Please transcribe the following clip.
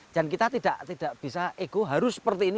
dan kita tidak bisa ego harus seperti ini